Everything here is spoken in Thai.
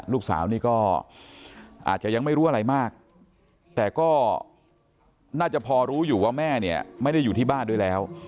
ลูกสาวนี่ก็อาจจะยังไม่รู้อะไรมากแต่ก็น่าจะพอรู้อยู่ว่าแม่เนี่ยไม่ได้อยู่ที่บ้านด้วยแล้ว